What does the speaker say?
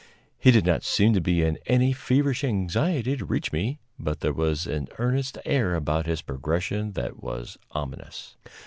He did not seem to be in any feverish anxiety to reach me, but there was an earnest air about his progression that was ominous.